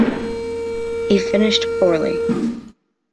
He finished poorly.